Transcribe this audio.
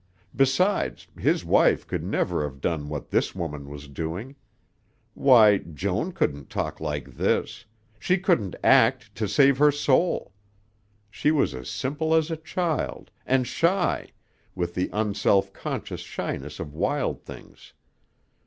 Besides, his wife could never have done what this woman was doing. Why, Joan couldn't talk like this, she couldn't act to save her soul! She was as simple as a child, and shy, with the unself conscious shyness of wild things.